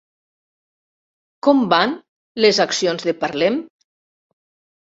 Com van les accions de Parlem?